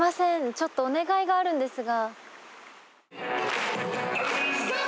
ちょっとお願いがあるんですが。